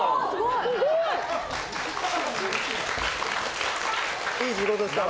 すごい！いい仕事したわ。